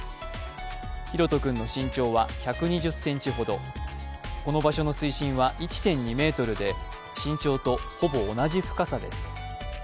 大翔君の身長は１２０ｃｍほどこの場所の水深は１．２ｍで身長とほぼ同じ深さです。